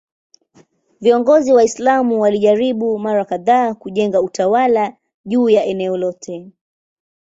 Viongozi Waislamu walijaribu mara kadhaa kujenga utawala juu ya eneo lote.